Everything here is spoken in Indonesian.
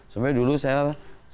sampai dulu saya sempet masuk kompetisi